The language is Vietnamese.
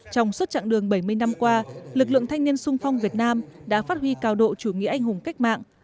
trong suốt chặng đường bảy mươi năm qua lực lượng thanh niên sung phong việt nam đã phát huy cao độ chủ nghĩa anh hùng cách mạng